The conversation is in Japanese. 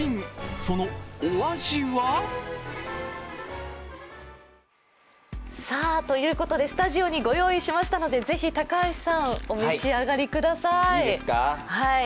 そのお味はスタジオにご用意しましたのでぜひ高橋さん、お召し上がりください。